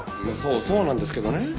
うんそうそうなんですけどね。